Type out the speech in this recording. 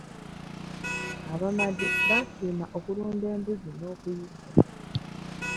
Abamadi baasiima okulunda embuzi n'okuyigga.